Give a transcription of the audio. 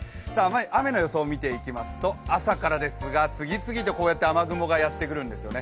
雨の予想見ていきますと朝からですが、次々と雨雲がやってくるんですよね。